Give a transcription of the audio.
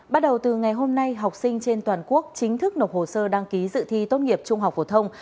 bắt đầu từ ngày hôm nay học sinh trên toàn quốc chính thức nộp hồ sơ đăng ký dự thi tốt nghiệp trung học phổ thông